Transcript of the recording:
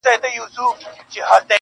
• سمدستي یې سره پرانیسته په منډه -